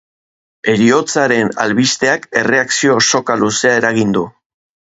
Heriotzaren albisteak erreakzio soka luzea eragin du.